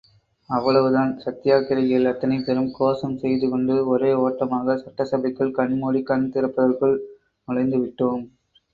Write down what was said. அவ்வளவுதான் சத்தியாகிரகிகள் அத்தனைபேரும் கோஷம் செய்து கொண்டு ஒரே ஓட்டமாக சட்டசபைக்குள் கண்மூடிக் கண் திறப்பதற்குள் நுழைந்துவிட்டோம்.